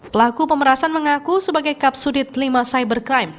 pelaku pemerasan mengaku sebagai kapsudit lima cybercrime